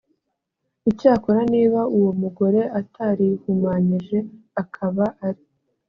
icyakora niba uwo mugore atarihumanyije akaba ari